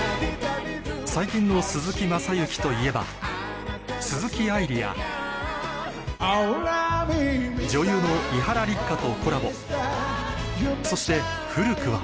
最近の鈴木雅之といえば鈴木愛理や女優の伊原六花とコラボそして古くは